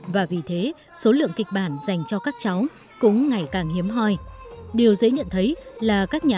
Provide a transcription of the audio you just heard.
và vì thế số lượng kịch bản dành cho các cháu cũng ngày càng hiếm hoi điều dễ nhận thấy là các nhà